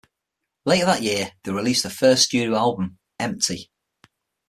Later that year, they released their first studio album, Empty.